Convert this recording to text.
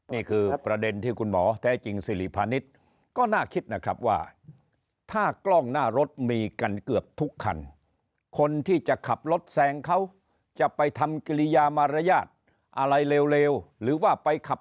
นี่คือประเด็นที่คุณหมอแท้จริงสิรีพาณิชย์ก็น่าคิดนะครับ